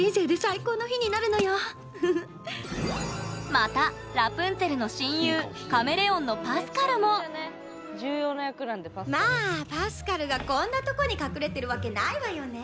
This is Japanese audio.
またラプンツェルの親友カメレオンのまあパスカルがこんなとこに隠れてるわけないわよねえ。